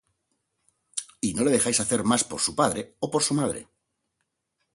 Y no le dejáis hacer más por su padre ó por su madre,